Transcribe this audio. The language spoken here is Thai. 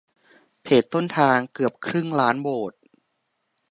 เพจต้นทาง เกือบครึ่งล้านโหวต